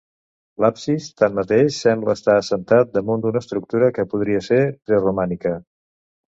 L'absis, tanmateix, sembla estar assentat damunt d'una estructura que podria ser preromànica.